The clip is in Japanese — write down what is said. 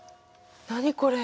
何これ？